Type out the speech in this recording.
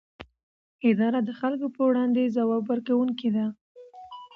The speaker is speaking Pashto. اداره د خلکو پر وړاندې ځواب ورکوونکې ده.